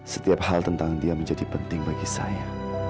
setiap hal tentang dia menjadi penting bagi saya